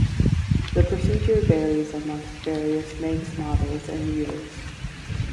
The procedure varies amongst various makes, models, and years.